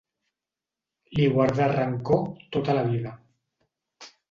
Li guardà rancor tota la vida.